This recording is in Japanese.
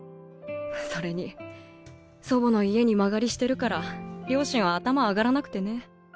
それに祖母の家に間借りしてるから両親は頭上がらなくてね。